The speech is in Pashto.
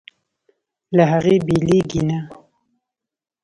له هغې بېلېږي نه.